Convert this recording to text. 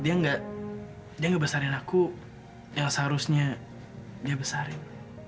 dia gak besarin aku yang seharusnya dia besarin